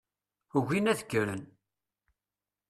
Ugin ad kkren.